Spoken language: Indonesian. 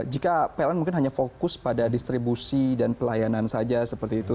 jika pln mungkin hanya fokus pada distribusi dan pelayanan saja seperti itu